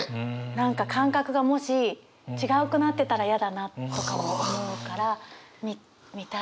何か感覚がもし違うくなってたら嫌だなとかも思うから見たいかも知りたいかも。